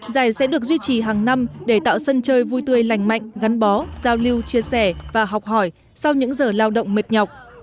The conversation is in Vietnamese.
giải sẽ được duy trì hàng năm để tạo sân chơi vui tươi lành mạnh gắn bó giao lưu chia sẻ và học hỏi sau những giờ lao động mệt nhọc